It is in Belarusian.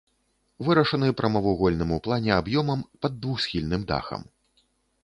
Вырашаны прамавугольным у плане аб'ёмам пад двухсхільным дахам.